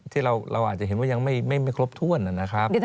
ที่เราอาจจะเห็นว่ายังไม่ครบถ้วนนะครับ